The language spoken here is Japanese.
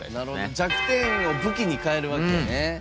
弱点を武器に変えるわけやね。